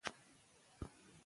دا برخه تراوسه وده نه ده کړې.